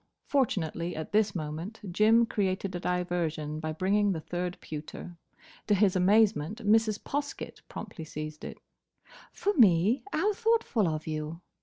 Fortunately at this moment Jim created a diversion by bringing the third pewter. To his amazement Mrs. Poskett promptly seized it. "For me? How thoughtful of you!"